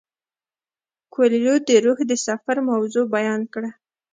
کویلیو د روح د سفر موضوع بیان کړه.